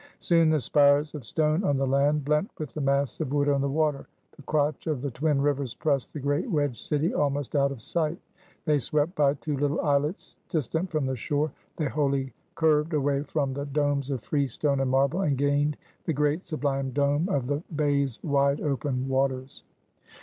Soon, the spires of stone on the land, blent with the masts of wood on the water; the crotch of the twin rivers pressed the great wedged city almost out of sight. They swept by two little islets distant from the shore; they wholly curved away from the domes of free stone and marble, and gained the great sublime dome of the bay's wide open waters.